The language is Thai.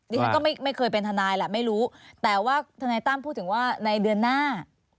ฉันก็ไม่เคยเป็นทนายแหละไม่รู้แต่ว่าทนายตั้มพูดถึงว่าในเดือนหน้า